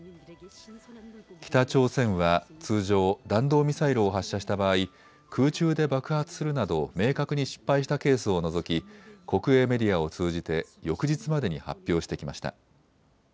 北朝鮮は通常、弾道ミサイルを発射した場合、空中で爆発するなど明確に失敗したケースを除き国営メディアを通じて翌日までに発表してきました。